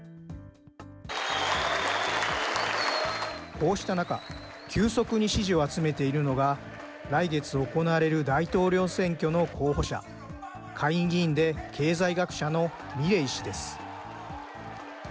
こうした中、急速に支持を集めているのが、来月行われる大統領選挙の候補者、下院議員で経済学者のミレイ氏です。